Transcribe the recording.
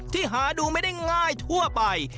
ที่หาดูไม่ได้ง่ายทั่วไป